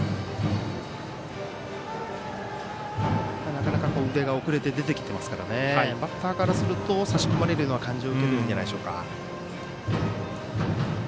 なかなか腕が遅れて出てきていますからバッターからすると差し込まれるような感じを受けてるんじゃないでしょうか。